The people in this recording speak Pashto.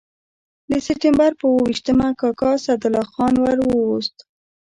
د سپټمبر پر اووه ویشتمه کاکا اسدالله خان ور ووست.